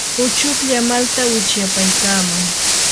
uchuklla malta wichyapaykaaman.